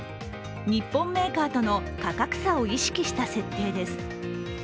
日本メーカーとの価格差を意識した設定です。